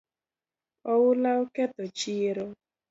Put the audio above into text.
Oula oketho chiro